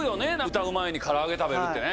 歌う前にから揚げ食べるってね。